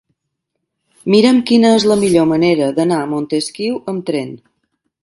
Mira'm quina és la millor manera d'anar a Montesquiu amb tren.